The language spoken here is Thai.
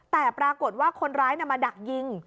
แต่ปรากฏว่าคนร้ายมาดักยิง